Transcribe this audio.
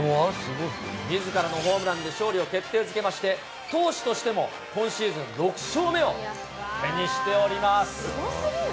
みずからのホームランで勝利を決定づけまして、投手としても今シーズン６勝目を手にしております。